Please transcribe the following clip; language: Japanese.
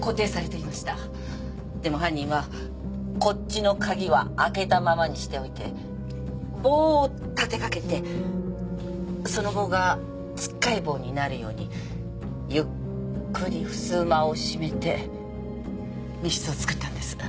でも犯人はこっちの鍵は開けたままにしておいて棒を立て掛けてその棒がつっかえ棒になるようにゆっくりふすまを閉めて密室をつくったんです。